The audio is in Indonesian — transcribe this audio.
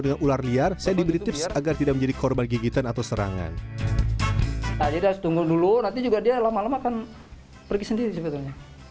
dengan ular liar agar tidak menjadi korban gigitan atau serangan dulu nanti juga dia lama lama kan